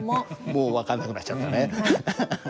もう分かんなくなっちゃったね。